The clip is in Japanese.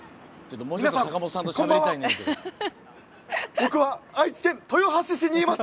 僕は、愛知県豊橋市にいます！